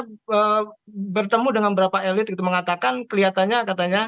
saya bertemu dengan beberapa elit gitu mengatakan kelihatannya katanya